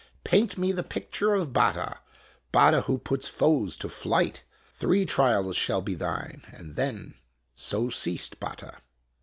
Paint me the picture of Batta Batta who puts foes to flight ! Three trials shall be thine, and then So ceased Batta.